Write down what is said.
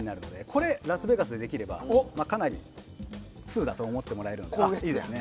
これラスベガスでできればかなりツウだと思ってもらえるので。